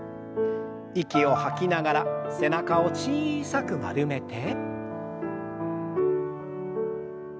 息を吐きながら背中を小さく丸めて。